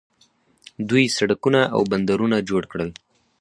دوی سړکونه او بندرونه جوړ کړل.